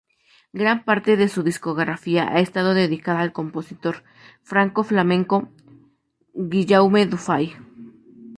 Gran parte de su discografía ha estado dedicada al compositor franco-flamenco Guillaume Dufay.